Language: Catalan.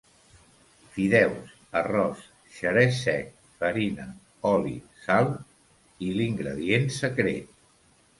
Fideus, arròs, xerès sec, farina, oli, sal i l'ingredient secret.